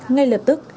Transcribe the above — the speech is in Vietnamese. ngay lập tức